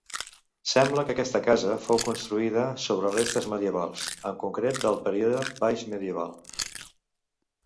Sembla que aquesta casa fou construïda sobre restes medievals, en concret del període baixmedieval.